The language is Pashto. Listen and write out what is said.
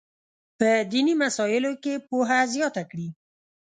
په دیني مسایلو کې پوهه زیاته کړي.